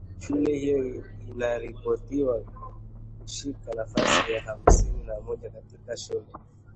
Shule hiyo inaripotiwa kushika nafasi ya hamsini na moja kati ya shule